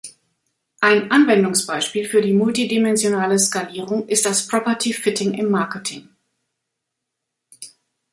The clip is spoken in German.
Ein Anwendungsbeispiel für die multidimensionale Skalierung ist das Property Fitting im Marketing.